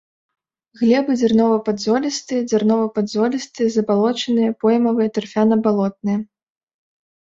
Глебы дзярнова-падзолістыя, дзярнова-падзолістыя забалочаныя, поймавыя, тарфяна-балотныя.